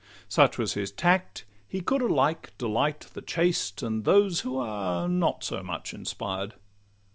Such was his tact, he could alike delight The chaste, and those who are not so much inspired.